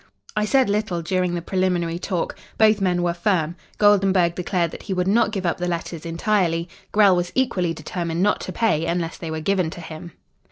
"I said little during the preliminary talk. Both men were firm. Goldenburg declared that he would not give up the letters entirely. Grell was equally determined not to pay unless they were given to him.